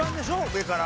上から。